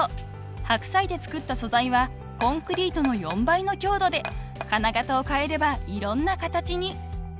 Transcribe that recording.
［ハクサイで作った素材はコンクリートの４倍の強度で金型を変えればいろんな形に］